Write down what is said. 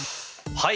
はい。